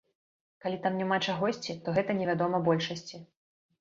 Калі там няма чагосьці, то гэта невядома большасці.